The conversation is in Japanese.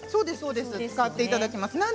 使っていただけます。